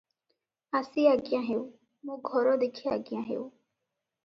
"ଆସି ଆଜ୍ଞା ହେଉ, ମୋ ଘର ଦେଖି ଆଜ୍ଞା ହେଉ ।"